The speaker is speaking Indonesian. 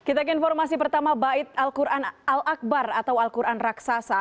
kita ke informasi pertama bait al quran al akbar atau al quran raksasa